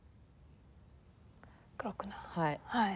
はい。